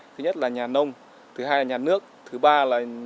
thứ nhất là nhà nông thứ hai là nhà nước thứ ba là nhà doanh nghiệp thứ tư là nhà băng